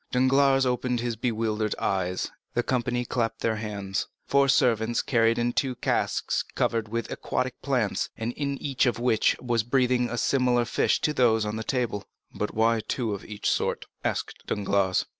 Danglars opened his bewildered eyes; the company clapped their hands. Four servants carried in two casks covered with aquatic plants, and in each of which was breathing a fish similar to those on the table. "But why have two of each sort?" asked Danglars.